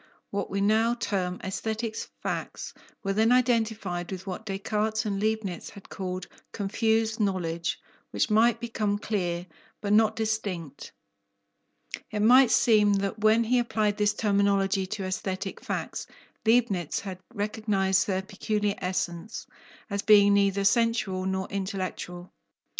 What we now term aesthetic facts were then identified with what Descartes and Leibnitz had called "confused" knowledge, which might become "clear," but not distinct. It might seem that when he applied this terminology to aesthetic facts, Leibnitz had recognized their peculiar essence, as being neither sensual nor intellectual.